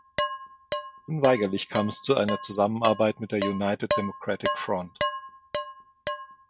Unweigerlich kam es zu einer Zusammenarbeit mit der United Democratic Front.